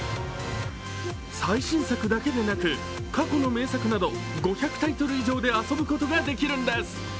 最新作だけでなく、過去の名作など５００タイトル以上で遊ぶことができるんです。